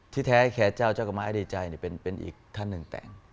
ที่แท้แค้เจ้าเจ้ากรรมะไอดีใจเนี่ยเป็นอีกท่านหนึ่งแต่ง